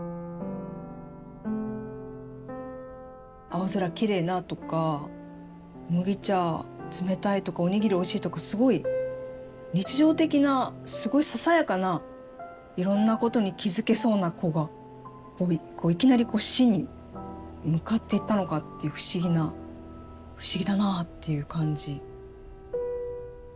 青空きれいなとか麦茶冷たいとかおにぎりおいしいとかすごい日常的なすごいささやかないろんなことに気付けそうな子がいきなりこう死に向かっていったのかっていう不思議な不思議だなぁっていう感じ。